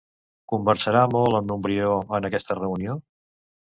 Conversava molt en Montbrió en aquesta reunió?